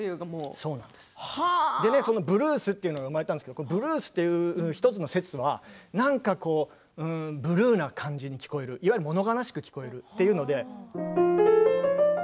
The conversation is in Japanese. それでブルースというのが生まれたんですがブルースの１つの説は何かブルーな感じに聞こえるいわゆるもの悲しく聞こえるという。